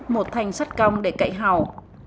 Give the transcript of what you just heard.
một thanh sắt cong để cậy hào